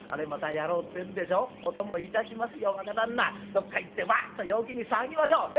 どっか行ってワッと陽気に騒ぎましょう。ね？